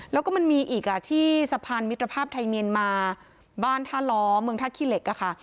แล้วก็มันมีอีกที่สะพานมิตรภาพไทยเมียนมาบ้านท่าล้อเมืองท่าขี้เหล็กอะค่ะ